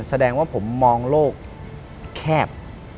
แสดงว่าผมมองโลกแคบ